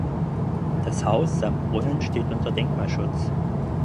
Das Haus samt Brunnen steht unter Denkmalschutz.